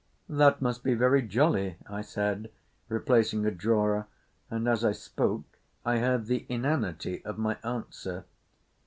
"That must be very jolly," I said, replacing a drawer, and as I spoke I heard the inanity of my answer.